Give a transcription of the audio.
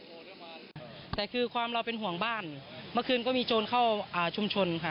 ความว่าบ้านต้องถูกถ่ายแต่คือความเราเป็นห่วงบ้านเมื่อคืนก็มีโจรเข้าชุมชนค่ะ